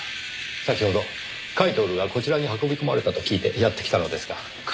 先ほど甲斐享がこちらに運び込まれたと聞いてやって来たのですが。